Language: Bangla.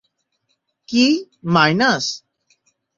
কী, মাইনাস?